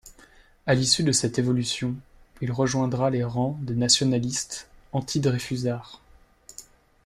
À l'issue de cette évolution, il rejoindra les rangs des nationalistes antidreyfusards.